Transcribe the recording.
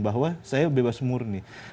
bahwa saya bebas murni